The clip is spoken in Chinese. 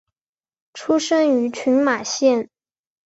出身于群马县。